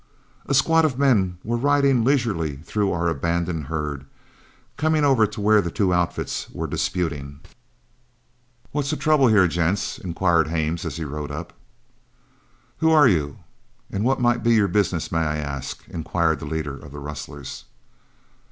A squad of men were riding leisurely through our abandoned herd, coming over to where the two outfits were disputing. "What's the trouble here, gents?" inquired Hames as he rode up. "Who are you and what might be your business, may I ask?" inquired the leader of the rustlers.